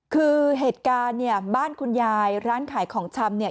คือเหตุการณ์เนี่ยบ้านคุณยายร้านขายของชำเนี่ย